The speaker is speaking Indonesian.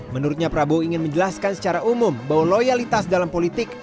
menurutnya prabowo ingin menjelaskan secara umum bahwa loyalitas dalam politik